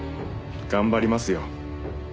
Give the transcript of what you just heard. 頑張りますよ。